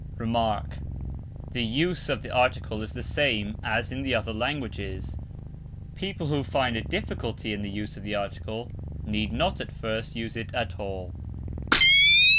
Remark. The use of the article is the same as in the other languages. People who find a difficulty in the use of the article need not at first use it at all.